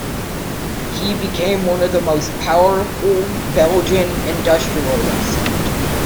He became one of the most powerful Belgian industrialists.